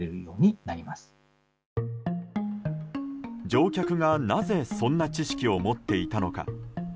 乗客がなぜそんな知識を持っていたのか。